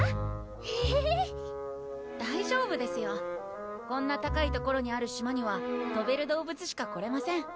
えぇ大丈夫ですよこんな高い所にある島にはとべる動物しか来れません